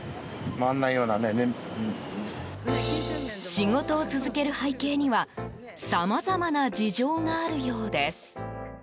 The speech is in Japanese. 仕事を続ける背景にはさまざまな事情があるようです。